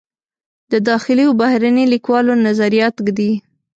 د داخلي و بهرني لیکوالو نظریات ږدي.